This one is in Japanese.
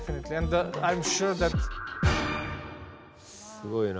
すごいな。